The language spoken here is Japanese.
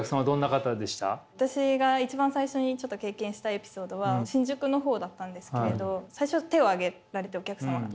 私が一番最初にちょっと経験したエピソードは新宿の方だったんですけれど最初手を上げられてお客様が。